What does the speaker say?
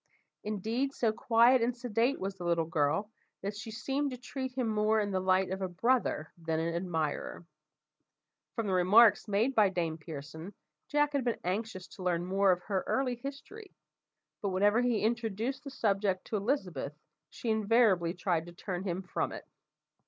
Indeed, so quiet and sedate was the little girl, that she seemed to treat him more in the light of a brother than an admirer. From the remarks made by Dame Pearson, Jack had been anxious to learn more of her early history, but whenever he introduced the subject to Elizabeth, she invariably tried to turn him from it.